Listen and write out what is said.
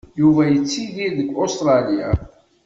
Yuba yettidir deg Ustṛalya.